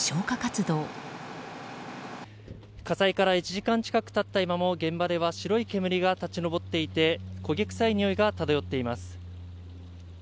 火災から１時間近く経った今も現場では白い煙が立ち上っていて焦げ臭いにおいが漂っています。